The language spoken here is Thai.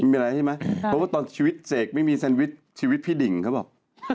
มีอะไรใช่ไหมเพราะว่าตอนชีวิตเสกไม่มีแซนวิชชีวิตพี่ดิ่งเขาบอก